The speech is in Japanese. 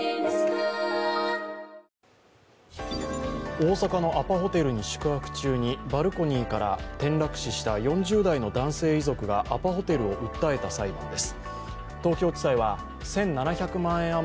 大阪のアパホテルに宿泊中にバルコニーから転落死した４０代の男性遺族がアパホテルを訴えた裁判です。